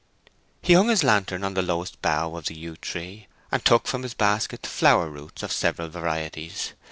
He hung his lantern on the lowest bough of the yew tree, and took from his basket flower roots of several varieties.